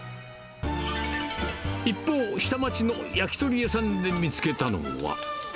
一方、下町の焼き鳥屋さんで見つけたのは。